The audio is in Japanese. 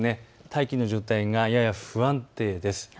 大気の状態がやや不安定です。